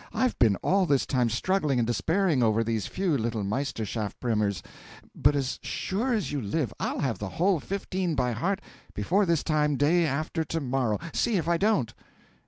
I've been all this time struggling and despairing over these few little Meisterschaft primers: but as sure as you live, I'll have the whole fifteen by heart before this time day after to morrow. See if I don't.